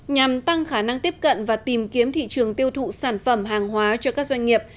nhằm tăng khả năng tiếp cận và tìm kiếm thị trường tiêu thụ sản phẩm hàng hóa cho các doanh nghiệp